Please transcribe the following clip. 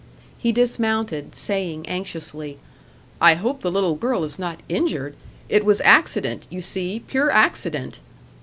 He dismounted, saying, anxiously, "I hope the little girl is not injured? It was accident you see pure accident."